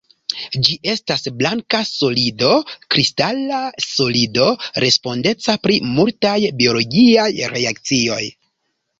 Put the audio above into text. Ĝi estas blanka solido kristala solido respondeca pri multaj biologiaj reakcioj.